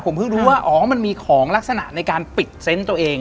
ผมเพิ่งรู้ว่าอ๋อมันมีของลักษณะในการปิดเซนต์ตัวเอง